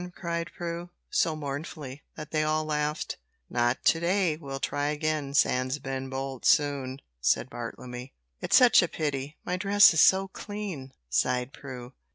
cried Prue, so mournfully that they all laughed. "Not to day. We'll try again sans Ben Bolt soon," said Bartlemy. "It's such a pity; my dress is so clean," sighed Prue.